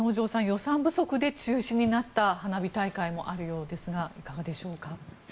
予算不足で中止になった花火大会もあるようですがいかがでしょうか？